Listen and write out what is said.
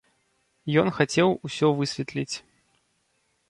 Ён хацеў усё высветліць.